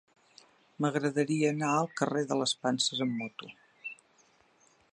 M'agradaria anar al carrer de les Panses amb moto.